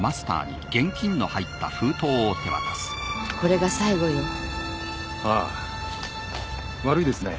これが最後よああ悪いですね